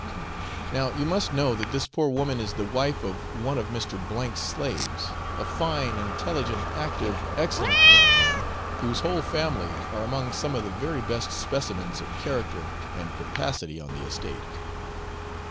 Now, you must know that this poor woman is the wife of one of Mr. B 's slaves, a fine, intelligent, active, excellent young man, whose whole family are among some of the very best specimens of character and capacity on the estate.